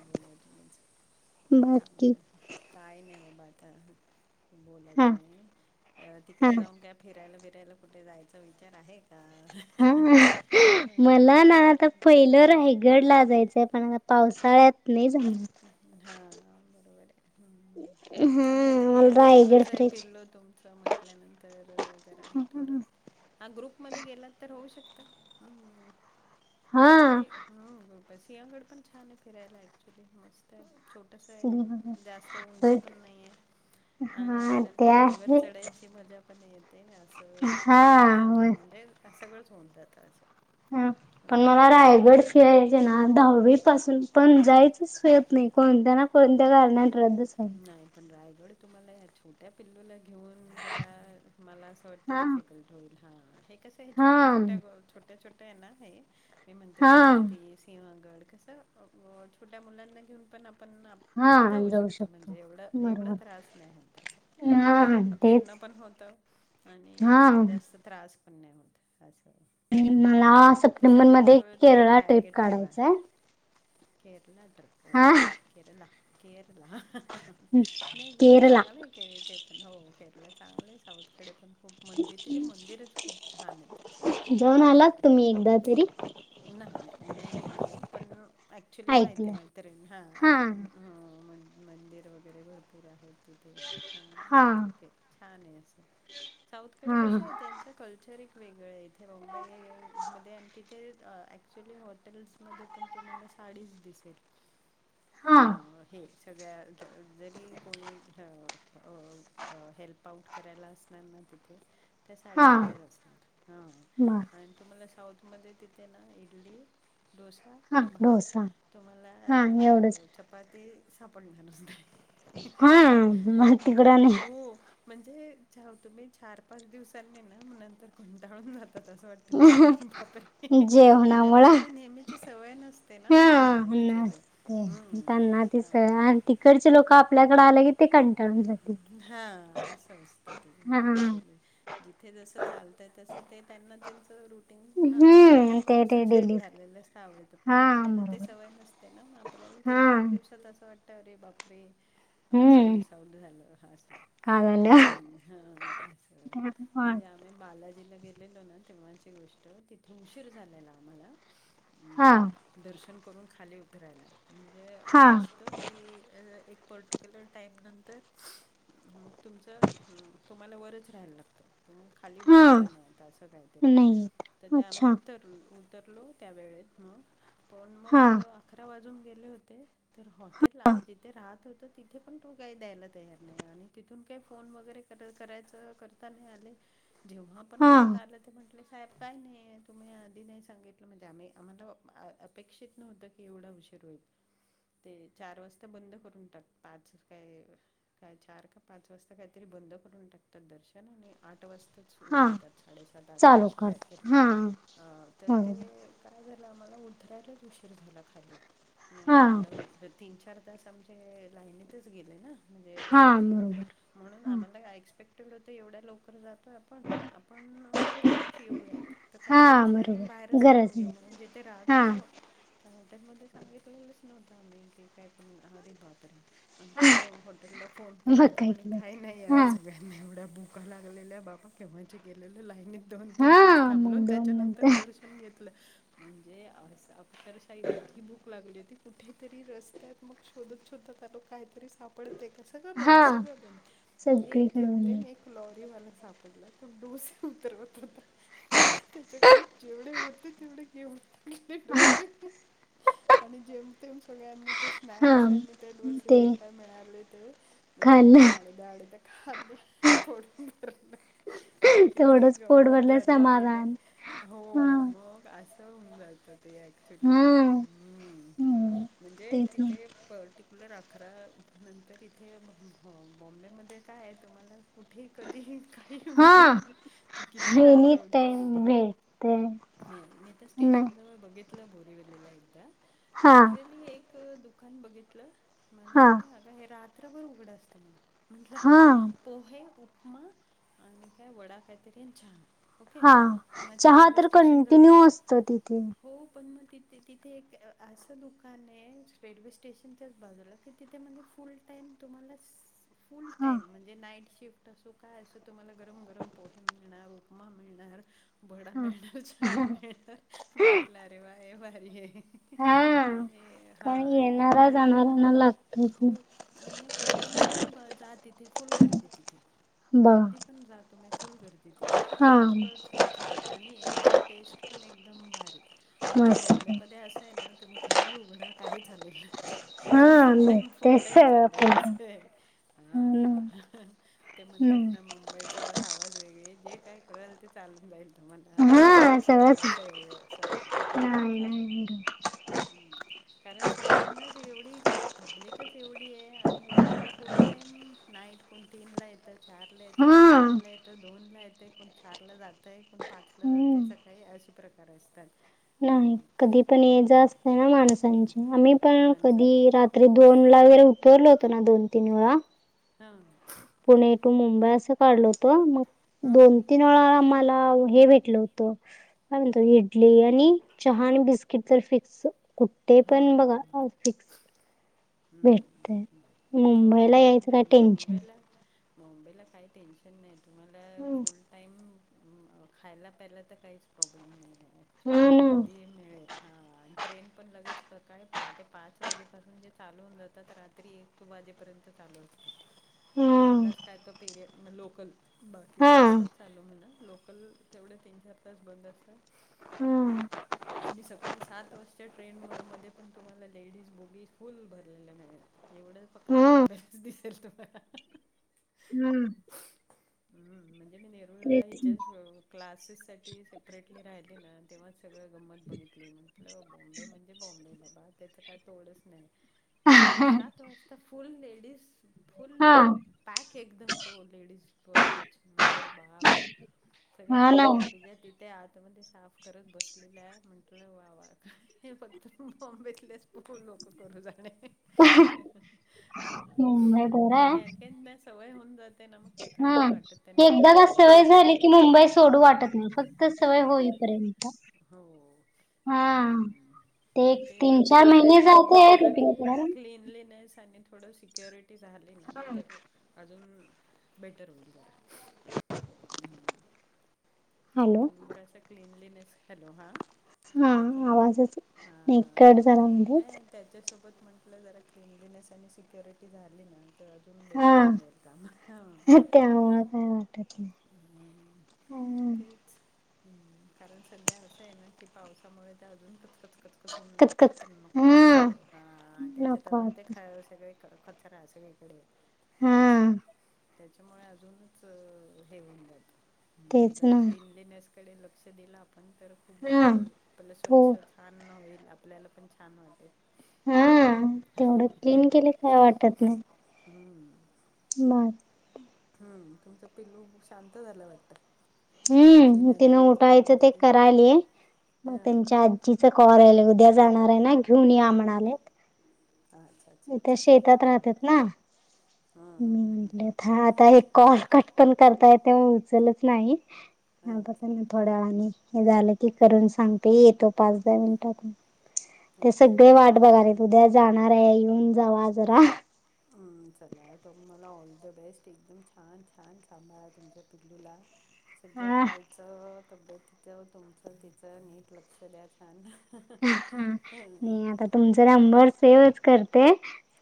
बोला तुम्हीच काय बाकी म्हणता काय नाही बाबा आता. बोला हा तुम्ही हा तिकडे जाऊन काय फिरायला बिरायला कुठे जायचा विचार आहे. का हा मला ना आता पहिलं रायगड ला जायचंय पण आता पावसाळ्यात नाही झाल हम्म हा हा हम्म हम्म बरोबर आहे आणि आता हा हे मला रायगड छोटच आहे फिरायचे पिल्ल तुमच अस म्हटल्यानंतर जरा थोडं हा ग्रुपमध्ये गेलात तर होऊ शकत तुम्ही हा ह सिंहगड पण छान आहे फिरायला ऍक्च्युली मस्त आहे छोटस आहे जास्त उंच पण नाही आहे आणि हा आपल्याला ते डोंगर आहेच चढायची मजा पण येते असं हा ह ह होय म्हणजे सगळंच होऊन जातं असं हा पण मला रायगड खेळायचे ना दहावीपसून पण जायचच होेत नाही कोणत्या ना कोणत्या कारणाने नाही पण रायगड तुम्हाला या छोट्या पिल्लूला घेऊन जरा मला अस हो ते हा डिफिकल्ट होईल हा हे कसं हा छोट्या छोट्या छोट्या छोट्या ना हे मी म्हणते हा पर्वती सिंहगड कसं छोट्या मुलांना घेऊन पण आपण आप हा हा जाऊ शकतो म्हणजे एवढ एवढा बरोबर त्रास नाही असा हा फिरणं पण होत आणि हा आपल्याला कड आणि असतं तर त्रास पण नाही होत असं हम्म मला तर सप्टेंबर सध्या मध्ये थोडं ते केरळा ट्रिप टारगेट ठेवा काढायचाय. केरला ट्रिप हा ओके केरला केरला नाही गुळी केरला चांगलं आहे तेे पण हो केरळ चांगलं आहे साऊथकडे पण खूप मंदिर मंदिर तिथे मंदिरच खूप छान आहेत सगळे जाऊन आलात फिरायच्यासाठी तुम्ही एकदा तरी नाही नाही मी नाही गेली आहे पण ॲक्च्युली माहिती ऐकलं. आहे मैञिण हां हा ऐकून हा म मंदिर वगैरे भरपूर आहेत तिथे हा ठीक आहे छान आहे असं साऊथकडे हा कसं आहे त्यांच कल्चर एक वेगळ आहे इथे बॉंबई मध्ये अन तिथे ॲक्च्युली हॉटेल्समध्ये पण तुम्हाला साडीच दिसेल हा अ हे सगळ्या जरी कोणी हो हेल्प आउट करायला असणार ना तिथे त्या हा साडीमध्येच असतात हा बर आणि तुम्हाला साऊथ मध्ये तिथे ना इडली डोसा हा भात डोसा तुम्हाला हा एवढंच चपाती हा मग सापडणारचं तिकड आणि हो म्हणजे तुम्ही चार पाच दिवसांनी ना मग नंतर कंटाळून जात आता तसं वाटतं रे बाप रे म्हणजे जेवणामुळ हा आपल्याला नेहमीची सवय नसते ना म्हणून अ चले ते त्यांना ति तिकडचे लोक आप हा असं असत ते हा अॅकचुलि जिथे जसं चालतं तसं ते त्यांना त्यांच रु टीन हम्म ते ते सेट डेली झालेलं असत आवडत पण हा आपल्याला ते बरोबर सवय नस त्यां ना मग आपल्याला हा तीन, चार दिवसात असं वाटतं अरे बापरे असं हम्म मीस आऊट झाल हा असं, काय झालं? हा असं म्हणजे आ हा आम्ही बालाजीला गेलेलो ना तेव्हाची गोष्ट तिथे उशीर झालेला आम्हाला हम्म, दर्शन करून खाली उतरायला म्हणजे हा असं असतं की एक पर्टिक्युलर टाईम नंतर मग तुमचं तुम्हाला वरच राहायला लागतं तुम्हाला खाली हा उतरता नाही अस काहीतरी नाही येत तर आम्ही अच्छा उतर उतरलो त्या वेळेत मग पण हा मग अकरा वाजून गेले होते. तर हॉटेलला आम्ही तिथे राहात होत तिथे पण तू काही द्यायला तयार नाही आणि तिथून काही फोन वगैरे करायच करता नाही आले. जेव्हा पण हा करता आलं ते म्हटले साहेब काय नाही तुम्ही आधी नाही सांगितलं म्हणजे आम्ही आम्हाला अपेक्षित नव्हतं की एवढा उशीर होईल. ते चार वाजता बंद करून टाक पाच काय काय चार का पाच वाजता काहीतरी बंद करून टाकतात दर्शन आणि आठ वाजता सुरु हा उघडतात साडेसात, आठला चालू असं काहीतरी करतो हा तर बरोबर ते काय झालं आम्हाला उधरायलाच उशीर झाला खाली हा मग एवढ तीन, चार तास आमचे लाईतच गेले ना म्हणजे हा झालंच नाही बरोबर म्हणून हा आम्हाला एक्सपेट त एवढ्या लवकर जातोय आपण, आपण लवकरच येऊयात. तर काही हा गरज नाही आपण बरोबर बाहेरच खाऊन गरज घेऊ नाही म्हणून जिथे राहत हा होतो त्या हॉटेलमध्ये सांगितलेलंच नव्हतं आम्ही की काय पण अरे बाप रे अंत हॉटेलला फोन मग केला तर काय म्हणे केलं काही ते. नाही आहे हा सळ्या एवढ्या भुका लागलेल्या बाबा केव्हाचे गेलेले लाईनीत दोन, तीन तास हा थांबलो मग दोन त्याच्यानंतर नंतर दर्शन घेतलं म्हणजे अस अक्षरशः इतकी भूक लागली होती कुठेतरी रस्त्यात मग शोधत, शोधत आलो काहीतरी साप पडते का सगळं हा बंद सगळं, बंद एक सगळीकडे जेम म्हण तेेम एक लॉरी वाला सापडला तो डोसे उतरवत होता. त्याच्याकडे जेवढे होते तेवढे घेऊन डोसे आणि जेमतेम सगळ्यांनी ते स्नॅक्स ते डोसे जे काय मिळाले ते म सगळ्यांनी खाल्लं अर्धे, अर्धे खाले पोट बी भरणा [unintelligible] इतकी तेवढंच पोट गंमत भरलं झालेली नाही समाधान हो हा मग असं होऊन जात ते ऍक्च्युली हा हम्म, हम्म म्हणजे तेच ना तिथे पर्टिक्युलर अकरा नंतर इथे बॉम्बेमध्ये काय आहे तुम्हाला कुठे कधीही काहीही मिळेल हा तू किती एनी रात्र हू द्या टाइम भेटते मल मी तर नाही स्टेशन जवळ बघित बोरेवले एकदा हा लिटरली एक दुकान बघितलं मला हा म्हणे अग हे रात्रभर उघडं असतं म्हणे, म्हंटलं ह. हा पोहे, उपमा आणि काय वडा काहीतरी चहा. ओके हा मग ते चहा रेल्वे तर स्टेशनजवळ, कंटिन्यू असतो तिथे हो पण मग तिथ ते तिथे एक असं दुकान आहे रेल्वे स्टेशनच्याच बाजूला की तिथे म्हणजे फुल टाईम, तुम्हाला फुल हा टाईम म्हणजे म्हणजे नाईट शिफ्ट असो काय असो तुम्हाला गरम, गरम पोहे मिळणार, उपमा मिळणार वडा हा मिळणार, चहा मिळणार म्हंटल अरे वा हे भारी आहे. हा आणि कारण हा एकदा येणारा आणि फुल जाणाऱ्यांना लागतच हो ना आणि कधी पण ब जा तिथे फुल गर्दी तिथे. कधी बघा पण जा तुम्ही फुल गर्दी तिथे. हा इतकं छान आणि एकदम टेस्ट पण एकदम भारी. म्हणजे मस्त बॉम्बे मध्ये असं आहे ना तुम्ही काही उघडा काही चालेल. हा फुल टाईम फुल भेटते टाईम सगळं चाललेला पण असय. हा ते म्हणतात ना मुंबईत हावाच वेगळे जे काय करल ते चालतये. मला तुमचं हा सगळं चालत [unintelligible] नाही कारण. नाही हम्म कारण सगळ्यांनाच एवढी, पब्लिकच एवढी आहे आणि लोकं फुल टाईम नाईट कोण तीन ला येतं चार ला येतं हा कोण एक ला येतं दोन ला येते कोण चार ला जातय कोण पाच ला जातय हम्म सकाळी असे प्रकार असतात. हो नाही कधी पण ये हम्म जा असत ना माणसांची आम्ही पण कधी माणसांच्या रा त्री दोन ला वगैरे उतरल होतं ना दोन तीन वेळा हां पुणे टू मुंबई असं काढल होत मग हम्म दोन तीन आम्हाला हे भेटलं होतं काय म्हणतो इडली आणि चहा आणि बिस्किट तर फिक्स. कुठे पण बघा हम्म. फिक्स. हम्म भेटतय. हम् हो मुंबईला नाही यायचं काय नाही टेन्शन बॉम्बेला मुंबईला काही टेन्शन नाही तुम्हाला फुल टाइम खायला पैयला तर काहीच प्रॉब्लेम नाही. ऍक्च्युली हा ना. कधी मिळेल हा आणि ट्रेन पण लगेच सकाळी पहाटे पाच वाजेपासून ज चालू होऊन जातात रात्री एक वाजे पर्यंत चालू असतात. हा मधलाच काय तो पेरियड लोकल बाकी हा तर असतात चालू म्हण लोकल तेवढे तीन चार तास बंद असतात. हम्म आणि सकाळी सात वाजता ट्रेन मध्ये पण तुम्हाला लेडीज बोगी फुल भरलेलं मिळेल एवढं फक्त हा बॉम्बेच दिसेल तुम्हाला. हा. हम्म म्हणजे मी नेरुळीला हिच्याच क्लासेससाठी सेपरेटली राहिले ना? तेव्हा सगळं गंमत बघितली म्हटलं बॉम्बे म्हणजे बॉम्बे बाबा त्याचं काय तोडच नाही. सकाळी सात वाजता फुल लेडीज फुल पॅक एकदम लेडीस कोच म्हटलं बा बा. सगळ्या भाज्या बिज्या तिथे आतमध्ये साफ करत बसलेल्या म्हंटलं वा वा. हे फक्त बॉम्बेतलेच पह लोक मुंबई बरं नाही आहे. काही काहीना सवय होऊन जात हा एकदा रुटीन सवय वाटत झाली की मुंबई सोडू वाटत नाही फक्त तर सवय हा होईपर्यंत हो हा ते एक तीन चार तेच महिने त्याचे जाते सोबत जरा रुटीन करायला क्लनलीनेस आणि थोडं सिक्युरिटी झाली ना तर अजून बेटर होईल. [inaudible] हॅलो आपण कस क्लनलीनेस हॅलो हा? हा ऐकू नाही आलं आवाजच हा नाई कट झाला मधेच. नाही त्याच्यासोबत म्हंटलं जरा क्लिनलीनेस आणि सिक्युरिटी झाली ना तर एकदम हा बेस्ट होऊन जाईल काम ह [inaudible] ह. त्यामुळं काय वाटत नाही तेच हम्म, कारण सध्या असं आहे ना की पावसामुळे ते अजून कचकचकच कच होऊन जाते कचकच तर नको वाट हा हा त्याच्या नको अजुन ते वाटत खा सगळे कचरा सगळीकडे हा असा त्याच्यामुळे अजूनच हे होऊन जात तेच जरा ना क्निनेस कडे लक्ष दिलं आपण तर खूप हा आपलं स्वच्छ तो आनन होईल आपल्याला पण छान वाटेल. हा तेवढं क्लीन केले काय ह हम्म. बर [unintelligible] हम्म, तुमचं पिल्लू शांत झालं वाटतं? हम्म, जिना तिनं जिना चालू उठायचं होतं ते करायलय मग हां त्यांच्या आ तिचा काॅल ये उद्या जाणार आहे ना घेऊन ये आ म्हणाले. अच्छा. अच्छा इथ अच्छा. शेतात हम्म राहतात ना [inaudible] हम्म मी हम्म हम्म म्हटले ह आता एक कॉल कट पण करताय तेव्हा उचलच नाही हम्म आता अच्छा थोड्या वेळानी हे झालं की करून सांगते येतो पाच, दहा मिनटात ते ओके सगळे वाट ओके. बघायलेत. उद्या जाणार आहे येऊन जावा जरा. हम्म चला तुम्हाला ऑल द बेस्ट एकदम छान, छान सांभाळा तुमच्या पिल्लूला. सगळं हा खायचं, तब्येतचं, तुमचं, तिचं, नीट लक्ष द्याय छ हा ह [unintelligible] सेवच करते.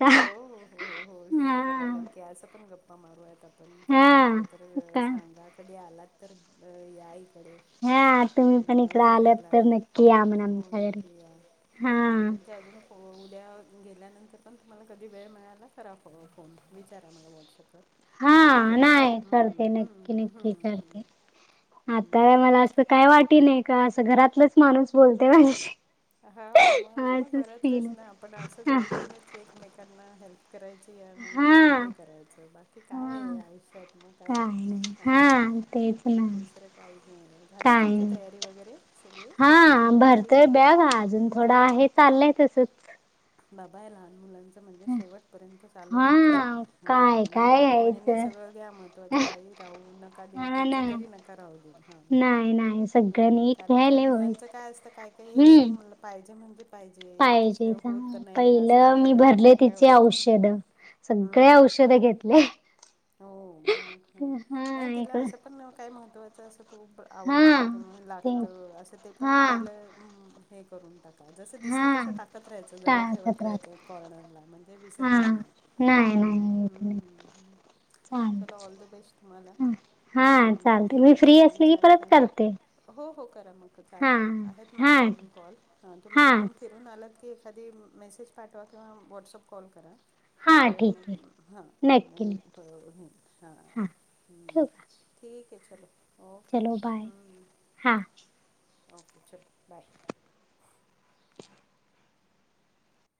हा हो हो हो हो सेव करा नक्की असं पण गप्पा मारू यात आप पण काय हा वाटलं तर का सांगा कधी आलात तर या इकडे. हा तुम्ही हम्म, पण भा इकडं आलात फिरायला तर नक्की या म्हण हो आमच्या घरी नक्की या. हा आणि तुमच्या अजून उद्या गेल्यानंतर पण तुम्हाला कधी वेळ मिळाला करा फोन विचारा मला व्हॉट्सअप वर. हा नाही करते नक्की, नक्की हम्म करते. आता हम्म मला असं काय वाटी नाही का असं घरातलंच माणूस बोलते माझ्याशी हो मग, मग असंच फील घरातलंच ना होत आपण असंच हा ओळखीनेच एकमेकांना हेल्प करायची आणि हे करायचं बाकी काय आहे हा आयुष्यात मग काय नाही ह हा तेच ना दुसरं काहीच नाही, झाली काय तुमची नाही तयारी वगैरे सगळी पॅकिंगी, बिकिग? तर बॅघा अजून थोडं आहे चाललंय तसंच. बाबा हे लहान मुलांच म्हणजे शेवट पर्यंत चालू राहत हा सगळं काय ह नीट काय आठवणीने घ्यायचं सगळं घ्या महत्वाचं काही राहुन नका देऊ हा तिच ना तरी नका राहु देऊ हा नाही नाही सगळं नीट कारण का घ्यायला होय मुलांच काय काय, काय हे हम्म म्ह पाहिजे म्हणजे पाहिजे पाहिजे ह्याच्याशिवाय होत नाही असं पहिलं मी सगळं भरले काय काय तिचे असतं औषध सगळे हम्म औषध घेतले. हो मग ह हा नाही तिला इकड असं पण काय महत्व खूप हा आवडत कि ते लागत अस ते पण हा पहिल करून टाका जस दिसेल हा तसं टाकत राहायचं जवळ ठेवत टाळकत राहायचं राहते कॉर्नरला म्हणजे हा विसरणार नाही. हम्म, नाही येत हम्म, नाही हम्म, हम्म. चल चालत ऑल द बेस्ट तुम्हाला हा चालते मी फ्री छान, असले की छान परत सग करते हो हो करा मग हा चालेल आहेत हा माझे ठीक अजून कॉल तुम्ही हा तिकडून फिरुन आलात की एखादी मेसेज पाठवा किंवा व्हॉट्सअप कॉल करा. हा तर ठीक आहे मग हां मग नक्की नाही नक्की हां हा ठेव का ठीक आहे चलो. ओके चलो बाय हम्म हा ओके चलो बाय.